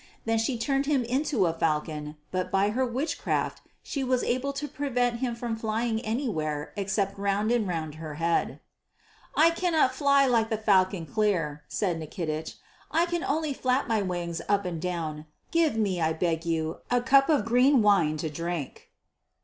Then she turned him into a falcon, but by her witchcraft she was able to prevent him from flying anywhere except round and round her head. "I cannot fly like the falcon clear," said Nikitich, "I can only flap my wings up and down. Give me, I beg of you, a cup of green wine to drink."